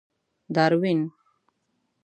داروېن.